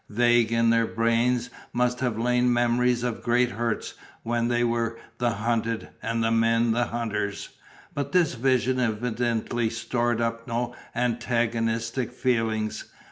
Vague in their brains must have lain memories of great hurts when they were the hunted and men the hunters; but this vision evidently stored up no antagonistic feelings.